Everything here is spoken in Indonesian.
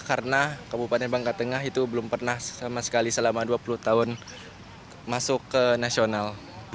karena kabupaten bangka tengah itu belum pernah sama sekali selama dua puluh tahun masuk ke nasional